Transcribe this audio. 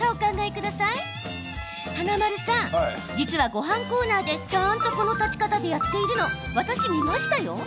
華丸さん、実はごはんコーナーでちゃんと、この立ち方でやっているの、私、見ましたよ。